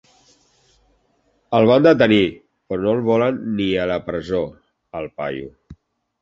El van detenir, però no el volen ni a la presó, al paio.